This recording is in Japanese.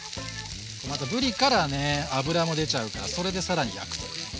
またぶりからね脂も出ちゃうからそれで更に焼くと。